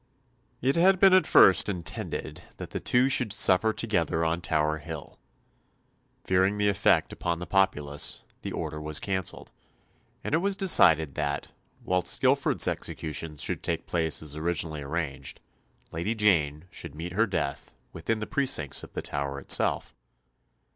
It had been at first intended that the two should suffer together on Tower Hill. Fearing the effect upon the populace, the order was cancelled, and it was decided that, whilst Guilford's execution should take place as originally arranged, Lady Jane should meet her death within the precincts of the Tower itself.